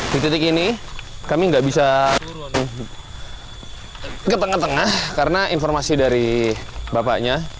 di titik ini kami tidak bisa ke tengah tengah karena informasi dari bapaknya